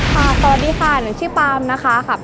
สวัสดีค่ะหนูชื่อปาล์มนะคะ